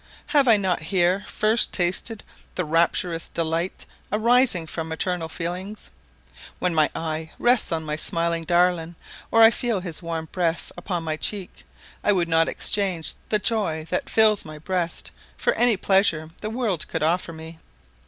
Have I not here first tasted the rapturous delight arising from maternal feelings? When my eye rests on my smiling darling, or I feel his warm breath upon my cheek, I would not exchange the joy that fills my breast for any pleasure the world could offer me.